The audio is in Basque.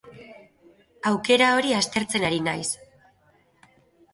Aukera hori aztertzen ari naiz.